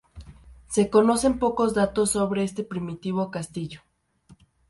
Se conocen pocos datos sobre este primitivo castillo.